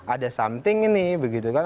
ada something ini begitu kan